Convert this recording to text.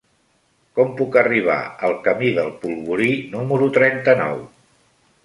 Com puc arribar al camí del Polvorí número trenta-nou?